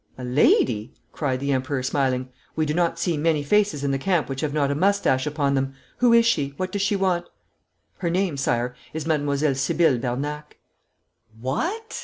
'A lady!' cried the Emperor smiling. 'We do not see many faces in the camp which have not a moustache upon them. Who is she? What does she want?' 'Her name, Sire, is Mademoiselle Sibylle Bernac.' 'What!'